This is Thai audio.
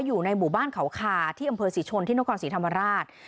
อยู่ในหมู่บ้านเขาคาที่อำเภอศรีชนที่นครศรีธรรมราช